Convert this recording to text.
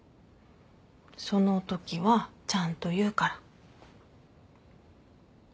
そのときはちゃんと言うから。